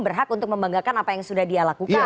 berhak untuk membanggakan apa yang sudah dia lakukan